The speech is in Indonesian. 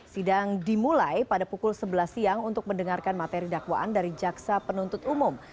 sidang dimulai pada pukul sebelas siang untuk mendengarkan materi dakwaan dari jaksa penuntut umum